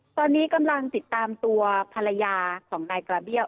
ตอนนี้กำลังติดตามตัวภรรยาของนายกระเบี้ยว